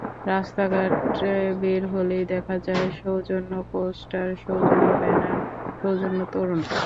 রাস্তাঘাটে বের হলে দেখা যায় সৌজন্য পোস্টার, সৌজন্য ব্যানার, সৌজন্য তোরণ।